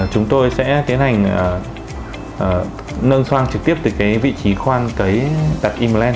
chúng tôi sẽ tiến hành nâng xoang trực tiếp từ cái vị trí khoan đặt im lên